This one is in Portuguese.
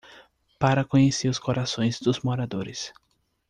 Para conhecer os corações dos moradores